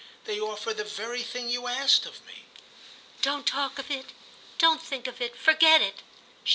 —they offer the very thing you asked of me." "Don't talk of it—don't think of it; forget it!"